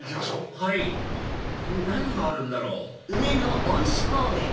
はい何があるんだろう？